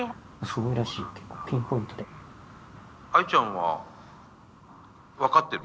アイちゃんは分かってる？